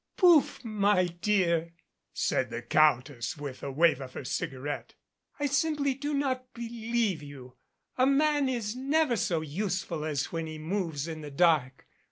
"Pouf! my dear," said the Countess with a wave of her cigarette. "I simply do not believe you. A man is never so useful as when he moves in the dark.